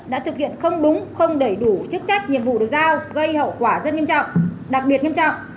đã thực hiện không đúng không đầy đủ chức trách nhiệm vụ được giao gây hậu quả rất nghiêm trọng đặc biệt nghiêm trọng